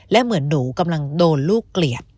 และเหมือนหนูกำลังโดนลูกเกลียด